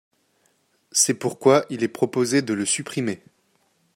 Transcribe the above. C’est pourquoi il est proposé de le supprimer.